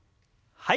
はい。